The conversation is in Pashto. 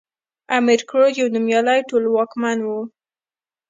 امير کروړ يو نوميالی ټولواکمن وی